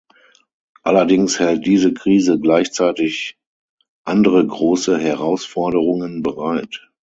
Allerdings hält diese Krise gleichzeitig andere große Herausforderungen bereit.